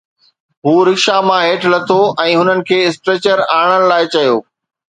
هو رڪشا مان هيٺ لٿو ۽ هنن کي اسٽريچر آڻڻ لاءِ چيو